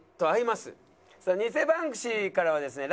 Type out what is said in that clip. さあ偽バンクシーからはですね